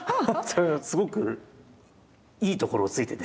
すごくいいところをついてて。